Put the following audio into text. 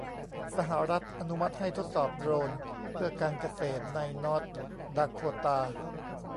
สหรัฐอนุมัติให้ทดสอบโดรนเพื่อการเกษตรในนอร์ทดาโคตา